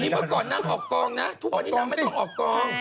นี่เมื่อก่อนน่ั้งออกกล้องในทุกพันยาไงต้องออกกล้อง